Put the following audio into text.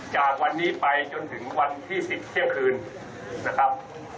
จากวันนี้ไปจนถึงวันที่๑๐เที่ยงคืนนะครับ